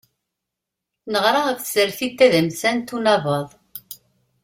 Neɣra ɣef tsertit tadamsant unabaḍ.